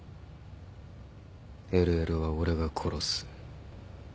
ＬＬは俺が殺す。